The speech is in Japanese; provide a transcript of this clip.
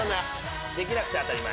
できなくて当たり前。